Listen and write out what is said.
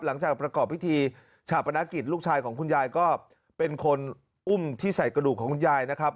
หลังจากประกอบพิธีชาปนกิจลูกชายของคุณยายก็เป็นคนอุ้มที่ใส่กระดูกของคุณยายนะครับ